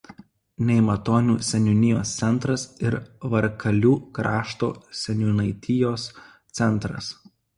Nemaitonių seniūnijos centras ir Varkalių krašto seniūnaitijos centras.